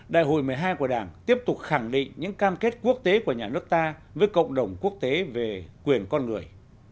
đại hội một mươi hai của đảng tiếp tục khẳng định những cam kết quốc tế của nhà nước ta với cộng đồng quốc tế về quyền con người